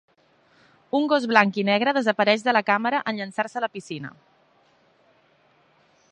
Un gos blanc i negre desapareix de la càmera en llançar-se a la piscina.